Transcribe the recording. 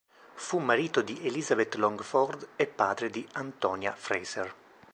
Fu marito di Elizabeth Longford e padre di Antonia Fraser.